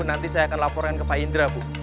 nanti saya akan laporkan ke pak indra bu